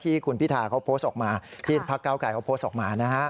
ที่คุณพิธาเขาโพสต์ออกมาที่พักเก้าไกรเขาโพสต์ออกมานะฮะ